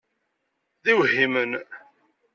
D iwehhimen!